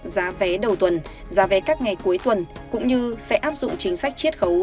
giá vé đầu tuần giá vé các ngày cuối tuần cũng như sẽ áp dụng chính sách triết khấu